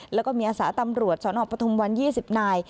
แล้วก็มีอาศาตำรวจสอนออกปฐมวันยี่สิบนาย